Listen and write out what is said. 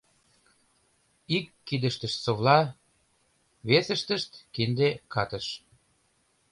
Ик кидыштышт совла, вес ыштышт — кинде катыш.